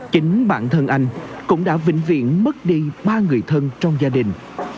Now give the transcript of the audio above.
chính bản thân anh cũng đã vĩnh viễn mất đi ba người thân trong gia đình